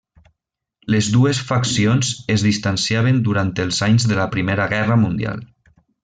Les dues faccions es distanciaren durant els anys de la Primera Guerra Mundial.